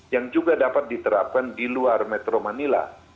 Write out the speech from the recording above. yang juga dapat diterapkan di luar metro manila